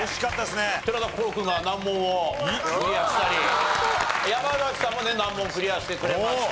寺田心君が難問をクリアしたり山崎さんもね難問クリアしてくれました。